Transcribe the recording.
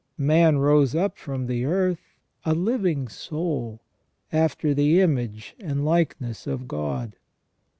Man rose up from the earth " a living soul," after the image and likeness of God.